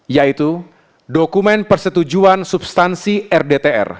yaitu dokumen persetujuan substansi rdtr